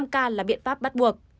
năm k là biện pháp bắt buộc